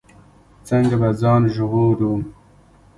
څنګه به ځان ژغورو.